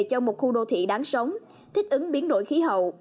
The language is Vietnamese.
cho một khu đô thị đáng sống thích ứng biến đổi khí hậu